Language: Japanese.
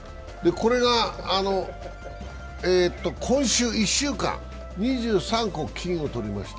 これが今週１週間、２３個、金を取りました。